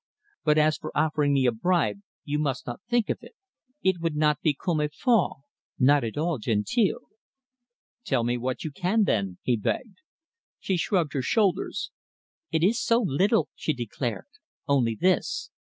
But as for offering me a bribe, you must not think of that. It would not be comme il faut; not at all gentil." "Tell me what you can, then," he begged. She shrugged her shoulders. "It is so little," she declared; "only this.